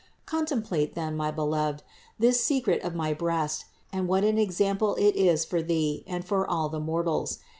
Contemplate then, my beloved, this secret of my breast, and what an example it is for thee and for all the mortals.